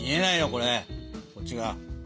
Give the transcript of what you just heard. これこっちが。